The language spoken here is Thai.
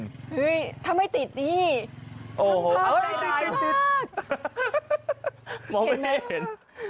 เฮ้ยทำไมติดนี่เฮ้ยติดตรงนี้ยังไม่เห็น